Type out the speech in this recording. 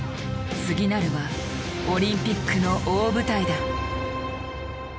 次なるはオリンピックの大舞台だ。